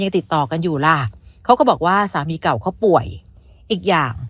ติดต่อกันอยู่ล่ะเขาก็บอกว่าสามีเก่าเขาป่วยอีกอย่าง